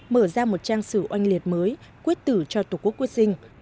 mở ra một trang sử oanh liệt mới quyết tử cho tổ quốc quyết sinh